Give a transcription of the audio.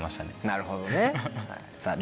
なるほどねさぁ